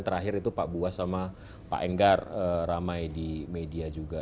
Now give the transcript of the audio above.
terakhir itu pak buas sama pak enggar ramai di media juga